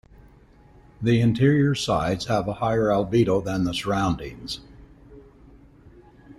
The interior sides have a higher albedo than the surroundings.